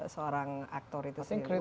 seorang aktor itu sendiri